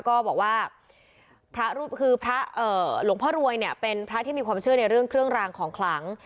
ก็บอกว่าหลวงพ่อรวยเป็นพระที่มีความเชื่อในเรื่องเครื่องรางของขลัง